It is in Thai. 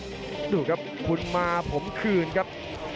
ด้วยเข่าครับดูครับคุณมาผมคืนครับ